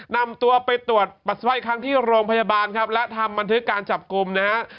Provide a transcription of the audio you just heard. นำตัวไปตรวจปัสสาวะอีกครั้งที่โรงพยาบาลครับและทำบันทึกการจับกลุ่มนะฮะ